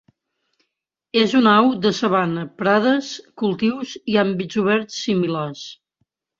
És una au de sabana, prades, cultius i àmbits oberts similars.